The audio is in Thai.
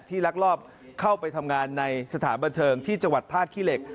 ลักลอบเข้าไปทำงานในสถานบันเทิงที่จังหวัดท่าขี้เหล็ก